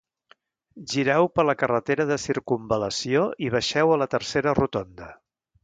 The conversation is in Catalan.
Gireu per la carretera de circumval·lació i baixeu a la tercera rotonda